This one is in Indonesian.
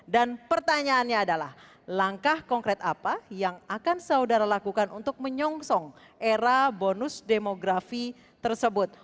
dan pertanyaannya adalah langkah konkret apa yang akan saudara lakukan untuk menyongsong era bonus demografi tersebut